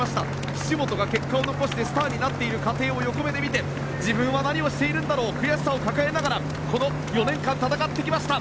岸本が結果を残してスターになっている過程を横目て見て自分は何をしているんだろうと悔しさを抱えながら４年間戦ってきました。